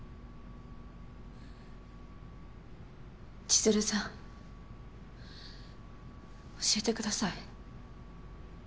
千弦さん教えて下さい。